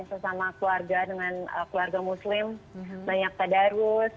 sesama keluarga dengan keluarga muslim banyak tadarus